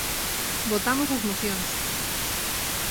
Votamos as mocións.